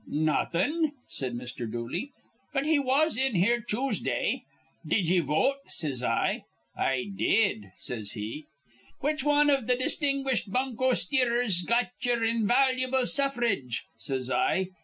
"Nawthin'," said Mr. Dooley, "but he was in here Choosday. 'Did ye vote?' says I. 'I did,' says he. 'Which wan iv th' distinguished bunko steerers got ye'er invalu'ble suffrage?' says I.